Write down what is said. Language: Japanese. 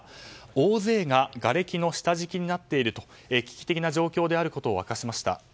大勢ががれきの下敷きになっていると危機的な状況であることを明かしました。